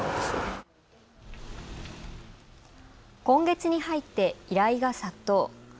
今月に入って依頼が殺到。